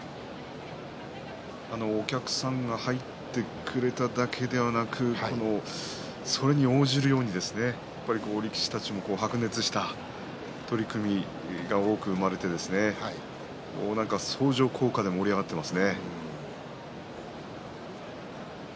お客さんが入ってくれただけではなくそれに応じるようにやっぱり力士たちも白熱した取組が多く生まれて相乗効果で盛り上がっていますね。